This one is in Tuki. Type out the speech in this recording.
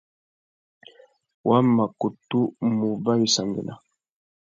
Wa mà kutu mù uba wissangüena.